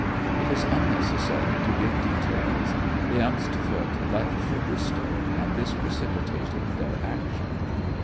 It is unnecessary to give details. The st Foot left for Bristol, and this precipitated their action.